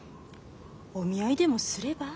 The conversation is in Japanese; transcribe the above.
お見合いでもすれば？